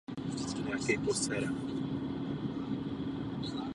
Měla velký strach.